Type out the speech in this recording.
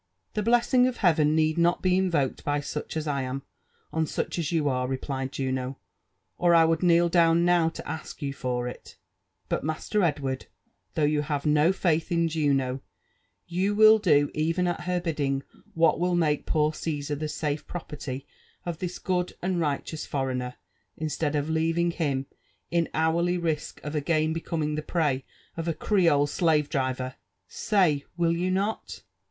*'" The blessing of Heaven need not be invoked by suoh as I am, on sach as yoiiare," replied Juno, *'or I would kneel down now to ask for it ; but, Master Edward, though you have no faith in Juno, you will do, even at her bidding, what will make poor Caesar the safe pro pe^y of this good and righteous foreigner, instead of leaving him in hourly risk of again becoming the prey of ji Creole slave driver. Say! — will you not?"